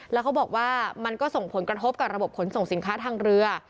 แล้วเขาบอกว่ามันก็ส่งผลกระทบกับระบบขนส่งสินค้าทางเรือ